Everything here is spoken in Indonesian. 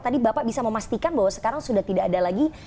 tadi bapak bisa memastikan bahwa sekarang sudah tidak ada lagi